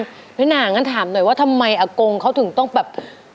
พี่หน่างั้นถามหน่อยว่าทำไมอากงเขาถึงต้องแบบ